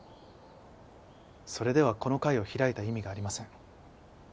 それではこの会を開いた意味がありません。